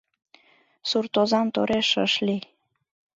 Суртозам тореш ыш лий.